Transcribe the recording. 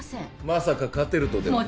まさか勝てるとでも？